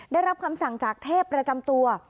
ได้รับคำสั่งจากเทพประจำตัว